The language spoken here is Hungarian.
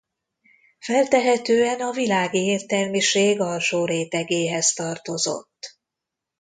Feltehetően a világi értelmiség alsó rétegéhez tartozott.